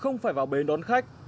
không phải vào bến đón khách